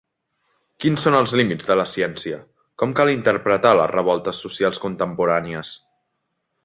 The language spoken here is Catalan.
Quins són els límits de la ciència? Com cal interpretar les revoltes socials contemporànies?